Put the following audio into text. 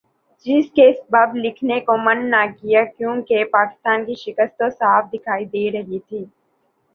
جس کے سبب لکھنے کو من نہ کیا کیونکہ پاکستان کی شکست تو صاف دکھائی دے رہی تھی ۔